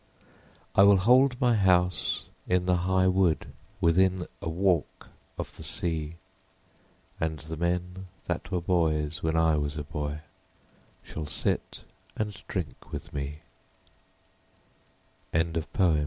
I will hold my house in the high wood Within a walk of the sea, And the men that were boys when I was a boy Shall sit and drink with m